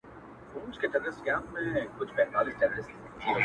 o دا چي له کتاب سره ياري کوي ـ